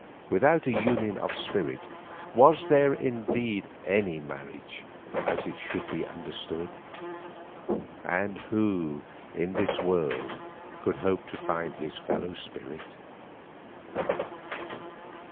Without a union of the spirit was there indeed any marriage as it should be understood? And who in this world could hope to find his fellow spirit?